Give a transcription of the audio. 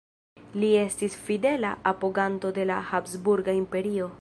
Li estis fidela apoganto de habsburga Imperio.